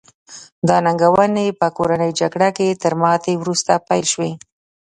دا ننګونې په کورنۍ جګړه کې تر ماتې وروسته پیل شوې.